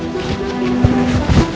manja banget lo